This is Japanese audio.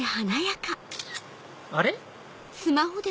あれ？